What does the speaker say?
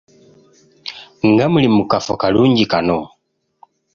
Nga muli mu kafo kalungi kano!